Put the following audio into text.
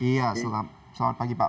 iya selamat pagi pak